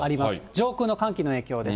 上空の寒気の影響です。